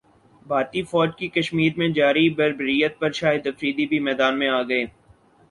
بھارتی فوج کی کشمیرمیں جاری بربریت پر شاہدافریدی بھی میدان میں گئے